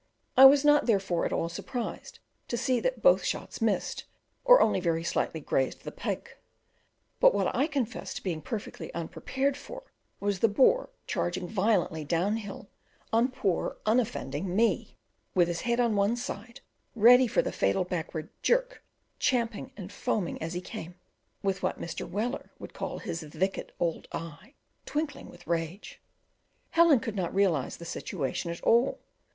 I was not therefore at all surprised to see that both shots missed, or only very slightly grazed the pig; but what I confess to being perfectly unprepared for was the boar charging violently down hill on poor unoffending me, with his head on one side ready for the fatal backward jerk, champing and foaming as he came, with what Mr. Weller would call his "vicked old eye" twinkling with rage. Helen could not realize the situation at all.